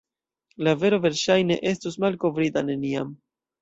La vero verŝajne estos malkovrita neniam.